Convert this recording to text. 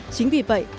chính vì vậy